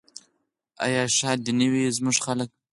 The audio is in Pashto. آیا ښاد دې نه وي زموږ خلک؟